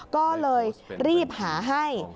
ก็เลยรีบหาให้